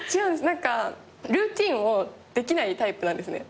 何かルーティンをできないタイプなんですね。